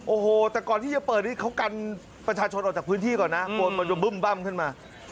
โอ้โหแต่ก่อนที่จะเปิดนี่เขากยันประชาชนออกจากพื้นที่ก่อนนะน้ำแบบนะ